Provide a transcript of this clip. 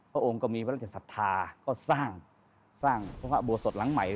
พระองค์ก็มีพระราชสัตว์ศรัทธาก็สร้างพระอุโบสถ์หลังใหม่